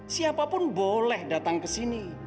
siapapun boleh datang ke sini